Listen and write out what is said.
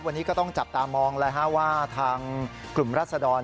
วันนี้ก็ต้องจับตามองว่าทางกลุ่มรัศดร